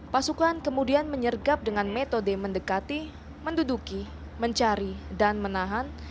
pasukan kemudian menyergap dengan metode mendekati menduduki mencari dan menahan